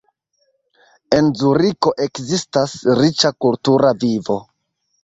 En Zuriko ekzistas riĉa kultura vivo.